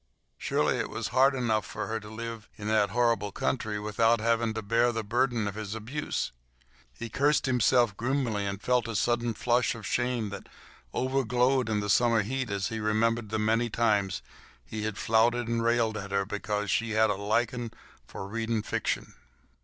Surely it was hard enough for her to live in that horrible country without having to bear the burden of his abuse. He cursed himself grimly, and felt a sudden flush of shame that over glowed the summer heat as he remembered the many times he had flouted and railed at her because she had a liking for reading fiction.